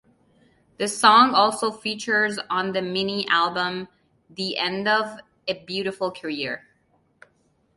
The song also features on the mini-album "The End Of A Beautiful Career".